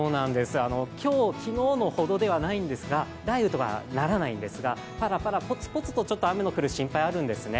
今日、昨日ほどではないんですが雷雨とはならないんですが、ぱらぱら、ぽつぽつと雨の降る心配があるんｄすね。